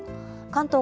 関東